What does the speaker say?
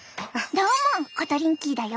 どうもコトリンキーだよ。